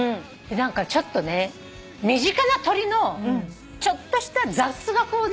何かちょっとね身近な鳥のちょっとした雑学をね